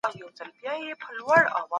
علمي تحليل د اصولو پر بنسټ وړاندې کېږي.